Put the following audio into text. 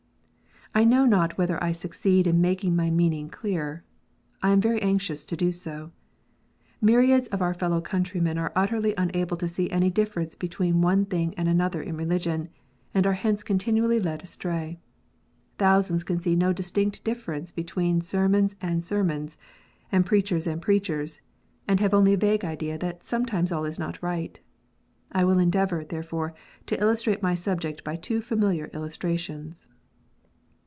I know not whether I succeed in making my meaning clear. I am very anxious to do so. Myriads of our fellow countrymen are utterly unable to see any difference between one thing and another in religion, and are hence continually led astray. Thousands can see no distinct difference between sermons and sermons, and preachers and preachers, and have only a vague idea that "sometimes all is not right." I will endeavour, therefore, to illustrate my subject by two familiar illustrations.